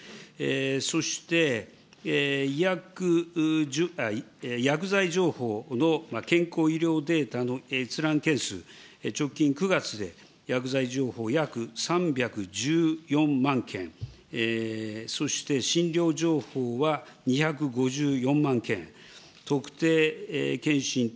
そして薬剤情報の健康医療データの閲覧件数、直近９月で薬剤情報、約３１４万件、そして診療情報は２５４万件、特定けんしん等